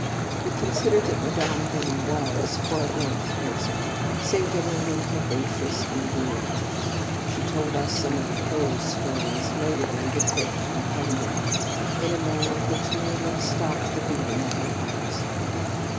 We considered that Madame Dane was, for a grown up person, singularly vivacious and agreeable. She told us some of Poe s stories notably "The Pit and the Pendulum " in a manner which nearly stopped the beating of our hearts.